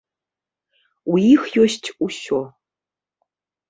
У іх ёсць усё.